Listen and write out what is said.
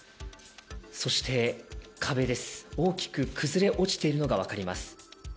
そして壁です、大きく崩れ落ちているのが分かります。